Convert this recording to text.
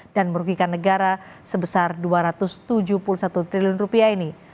dan merugikan negara sebesar rp dua ratus tujuh puluh satu triliun ini